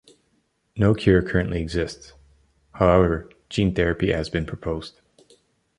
No cure currently exists; however, gene therapy has been proposed.